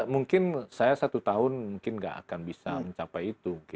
mungkin saya satu tahun mungkin nggak akan bisa mencapai itu